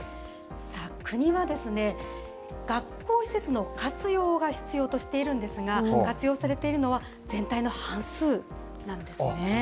国は学校施設の活用が必要としているんですが、活用されているのは全体の半数なんですね。